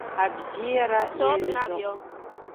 Абзиара иаҩызоуп.